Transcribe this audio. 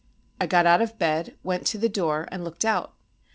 I got out of bed, went to the door, and looked out.